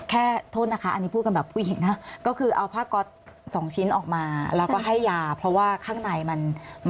โทษนะคะอันนี้พูดกันแบบผู้หญิงนะก็คือเอาผ้าก๊อตสองชิ้นออกมาแล้วก็ให้ยาเพราะว่าข้างในมัน